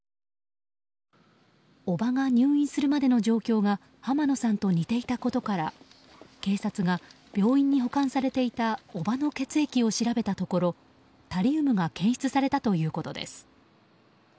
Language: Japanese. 叔母が入院するまでの状況が濱野さんと似ていたことから警察が、病院に保管されていた叔母の血液を調べたところ、タリウムが検出されたということです。